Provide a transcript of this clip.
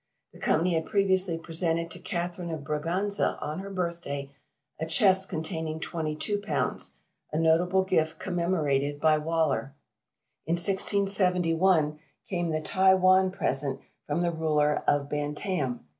The company had previously presented to Catherine of Braganza, on her birthday, a chest containing twenty two pounds a notable gift commemorated by Waller. In 1671 came the Ty wan present from the Ruler of Bantam.